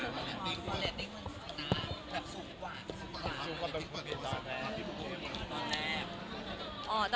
สูงกว่าเป็นปุ๊บเพจอดแมน